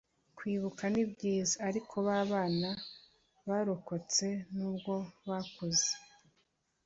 Kwibuka ni byiza ariko ba bana barokotse n’ubwo bakuze